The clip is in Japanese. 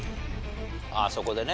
ああそこでね。